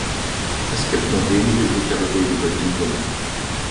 Es gibt nur wenige sichere Wege durch den Sumpf.